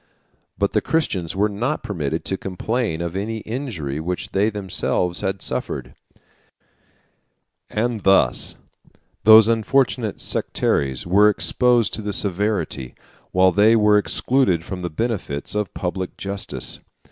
But the Christians were not permitted to complain of any injury which they themselves had suffered; and thus those unfortunate sectaries were exposed to the severity, while they were excluded from the benefits, of public justice.